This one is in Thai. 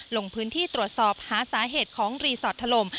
ลงพื้นที่ตรวจสอบหาสาเหตุของรีสอร์ทถล่ม